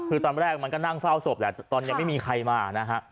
คือตอนแรกมันก็นั่งเฝ้าศพแหละตอนยังไม่มีใครมานะฮะ